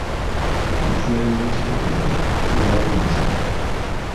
Lufula y'omu kibuga ejja kuggulwawo enkya.